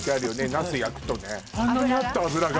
ナス焼くとね油が？